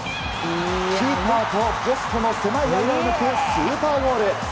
キーパーとポストの狭い間を抜くスーパーゴール！